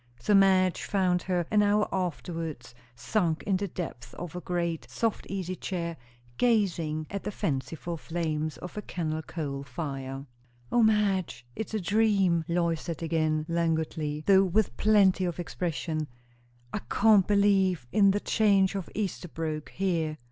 So Madge found her an hour afterwards, sunk in the depths of a great, soft easy chair, gazing at the fanciful flames of a kennel coal fire. "O Madge, it's a dream!" Lois said again languidly, though with plenty of expression. "I can't believe in the change from Esterbrooke here."